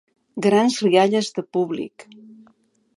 Grans rialles del públic.